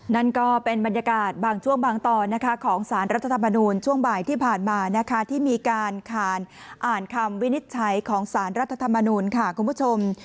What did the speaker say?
นั่นก็เป็นบรรยากาศบางช่วงบางตอนนะคะของสารรัฐธรรมนูญช่วงบ่ายที่ผ่านมานะคะที่มีการอ่านคำวินิจฉัยของสารรัฐธรรมนูลค่ะคุณผู้ชม